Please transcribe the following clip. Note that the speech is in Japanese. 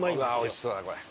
おいしそうだなこれ。